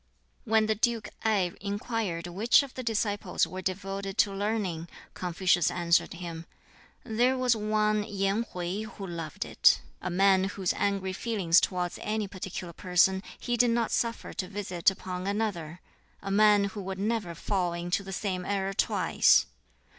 When the Duke Ngai inquired which of the disciples were devoted to learning, Confucius answered him, "There was one Yen Hwķi who loved it a man whose angry feelings towards any particular person he did not suffer to visit upon another; a man who would never fall into the same error twice.